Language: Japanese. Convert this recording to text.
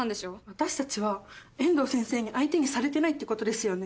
私たちは遠藤先生に相手にされてないってことですよね。